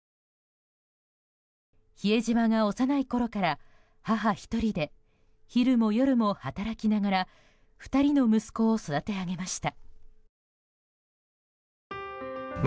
比江島が幼いころから母１人で昼も夜も働きながら２人の息子を育て上げました。